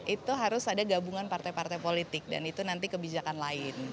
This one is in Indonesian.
itu harus ada gabungan partai partai politik dan itu nanti kebijakan lain